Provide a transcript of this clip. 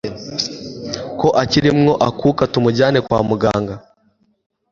ko akirimo akuka tumujyane kwa muganga